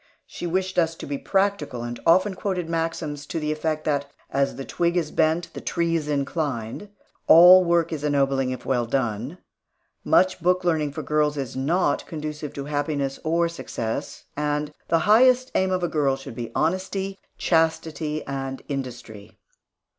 She wished us to be practical, and often quoted maxims to the effect that, "As the twig is bent, the tree's inclined"; "All work is ennobling if well done"; "Much book learning for girls is not conducive to happiness or success"; and "The highest aim of a girl should be honesty, chastity, and industry."